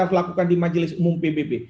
harus lakukan di majelis umum pbb